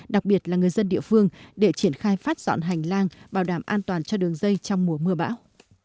đặc biệt là người dân địa phương để triển khai phát dọn hành lang bảo đảm an toàn cho đường dây trong mùa mưa bão